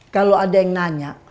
kalau ada yang nanya